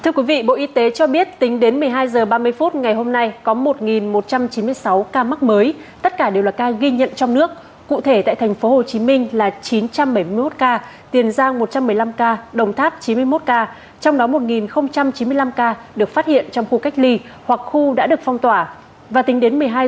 các bạn hãy đăng ký kênh để ủng hộ kênh của chúng mình nhé